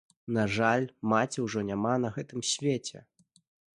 На жаль, маці ўжо няма на гэтым свеце.